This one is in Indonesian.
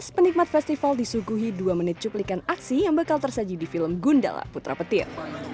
penikmat festival disuguhi dua menit cuplikan aksi yang bakal tersaji di film gundala putra petir